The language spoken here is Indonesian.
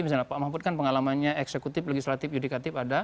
misalnya pak mahfud kan pengalamannya eksekutif legislatif yudik yudik